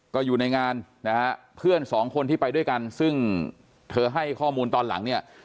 ก็อยู่ในงานนะฮะเพื่อนสองคนที่ไปด้วยกันซึ่งเธอให้ข้อมูลตอนหลังเนี่ย